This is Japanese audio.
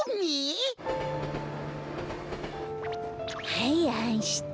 はいあんして。